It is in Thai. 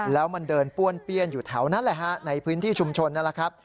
แล้วมันเดินป้วนเปี้ยนอยู่แถวนั้นแหละฮะในพื้นที่ชุมชนนั่นแหละครับ